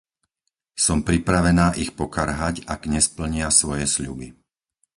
Som pripravená ich pokarhať, ak nesplnia svoje sľuby.